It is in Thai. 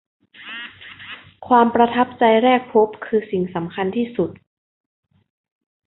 ความประทับใจแรกพบคือสิ่งสำคัญที่สุด